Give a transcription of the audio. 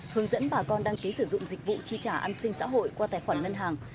hướng dẫn bà con đăng ký sử dụng dịch vụ chi trả an sinh xã hội qua tài khoản ngân hàng